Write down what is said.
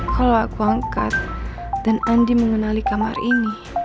kalau aku angkat dan andi mengenali kamar ini